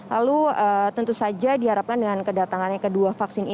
lalu tentu saja diharapkan dengan kedatangannya kedua vaksin ini